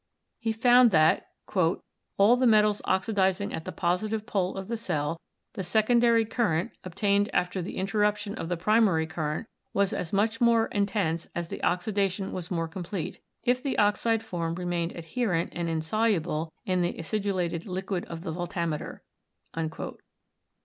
He found that "all the metals oxidizing at the positive pole of the cell, the secondary current, obtained after the interruption of the primary current, was as much more intense as the oxidation was more complete, if the oxide formed remained adherent and insoluble in the acidulated liquid of the voltameter."